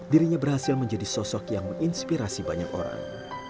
dirinya berhasil menjadi sosok yang menginspirasi banyak orang